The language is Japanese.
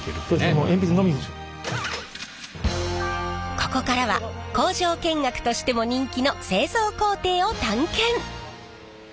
ここからは工場見学としても人気の製造工程を探検！